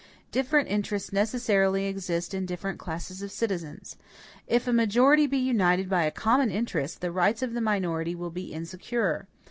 Different interests necessarily exist in different classes of citizens. If a majority be united by a common interest, the rights of the minority will be insecure.